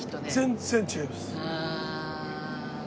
全然違います。